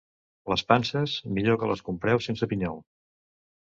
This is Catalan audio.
Les panses, millor que les compreu sense pinyol.